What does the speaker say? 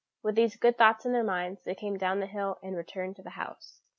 With these good thoughts in their minds, they came down the hill and returned to the house.